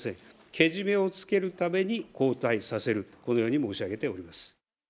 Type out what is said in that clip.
けじめをつけるために交代させる、このように申し上げております。